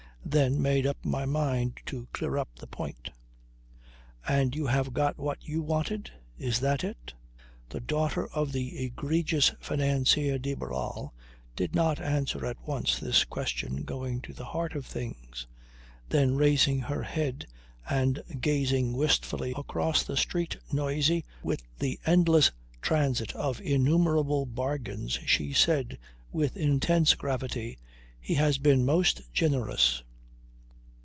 Then made up my mind to clear up the point. "And you have got what you wanted? Is that it?" The daughter of the egregious financier de Barral did not answer at once this question going to the heart of things. Then raising her head and gazing wistfully across the street noisy with the endless transit of innumerable bargains, she said with intense gravity: "He has been most generous."